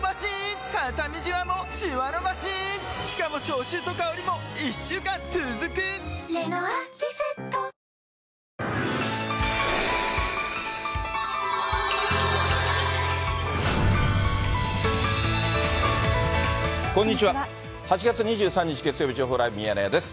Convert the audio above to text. ８月２３日月曜日、情報ライブミヤネ屋です。